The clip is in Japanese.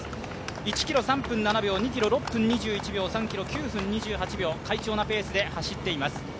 １ｋｍ３分７秒、２記録６分２７秒３ｋｍ、９分２８秒、快調なペースで走っています。